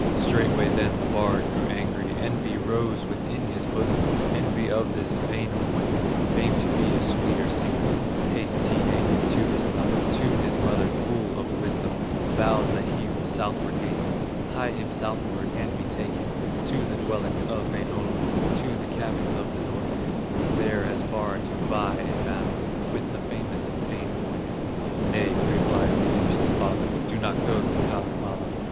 Straightway then the bard grew angry, Envy rose within his bosom, Envy of this Wainamoinen, Famed to be a sweeter singer; Hastes he angry to his mother, To his mother, full of wisdom, Vows that he will southward hasten, Hie him southward and betake him To the dwellings of Wainola, To the cabins of the Northland, There as bard to vie in battle, With the famous Wainamoinen. "Nay," replies the anxious father, "Do not go to Kalevala."